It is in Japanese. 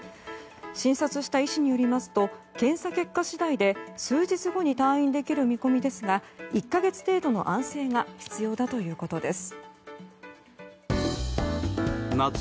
診察した医師によりますと検査結果次第で数日後に退院できる見込みですが１か月程度の安静が必要だということです。